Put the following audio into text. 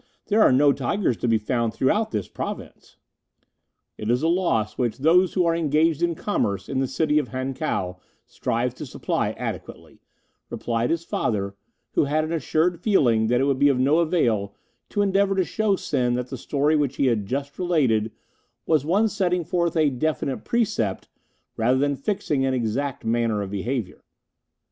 there are no tigers to be found throughout this Province.' "'It is a loss which those who are engaged in commerce in the city of Hankow strive to supply adequately,' replied his father, who had an assured feeling that it would be of no avail to endeavour to show Sen that the story which he had just related was one setting forth a definite precept rather than fixing an exact manner of behaviour.